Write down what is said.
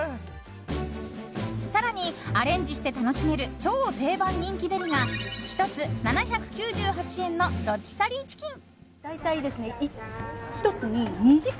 更に、アレンジして楽しめる超定番人気デリが１つ７９８円のロティサリーチキン。